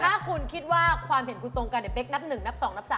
ถ้าคุณคิดว่าความเห็นคุณตรงกันเดี๋ยวเป๊กนับ๑นับ๒นับ๓